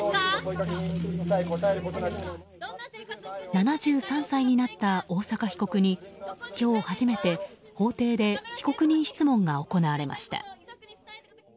７３歳になった大坂被告に今日初めて法廷で被告人質問が行われました。